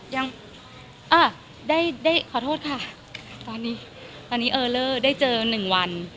ยังอ่ะได้ขอโทษค่ะตอนนี้ได้เจอ๑วัน